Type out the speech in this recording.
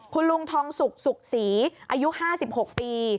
คุณลุงทองสุกสุขศรีอายุ๕๖ปี